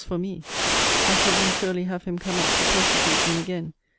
for me: I shall then surely have him come up to persecute me again!